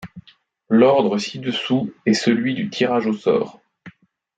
L'ordre ci-dessous est celui du tirage au sort.